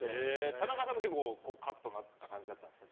田中さんも結構カッとなった感じだったんですか。